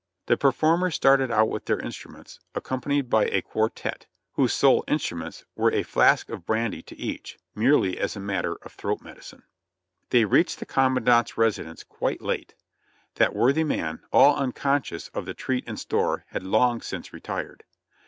The performers started out with their instruments, accom panied by a quartette, whose sole instruments were a flask of brandy to each, merely as a matter of throat medicine. They reached the commandant's residence quite late. That worthy man, all un conscious of the treat in store, had long since retired.